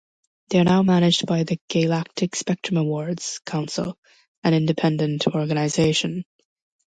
They are now managed by the Gaylactic Spectrum Awards Council, an independent organization.